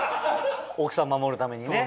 奥さん守るためにね。